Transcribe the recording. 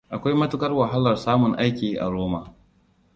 Akwai matukar wahalar samun aiki a Roma.